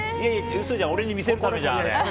うそじゃん、俺に見せるためじゃん、あれ。